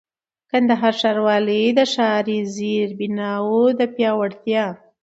کندهار ښاروالۍ د ښاري زېربناوو د پياوړتيا